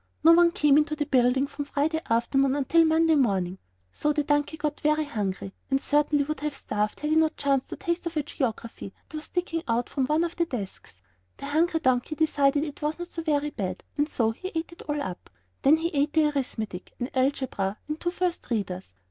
No one came into the building from Friday afternoon until Monday morning; so the donkey got very hungry, and certainly would have starved had he not chanced to taste of a geography that was sticking out from one of the desks. The hungry donkey decided it was not so very bad, so he ate it all up. Then he ate an arithmetic, an algebra, and two first readers.